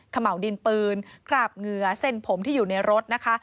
เหมาดินปืนคราบเหงื่อเส้นผมที่อยู่ในรถนะคะ